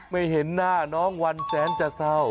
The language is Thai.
ไม่เห็นหน้าน้องวันแสนจะเศร้า